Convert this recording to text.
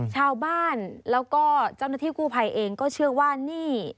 ชาวบ้านแล้วก็เจ้าหน้าที่กู้ภัยเองก็เชื่อว่านี่